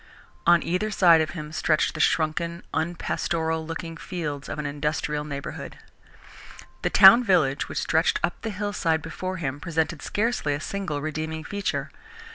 On either side of him stretched the shrunken, unpastoral looking fields of an industrial neighbourhood. The town village which stretched up the hillside before him presented scarcely a single redeeming feature.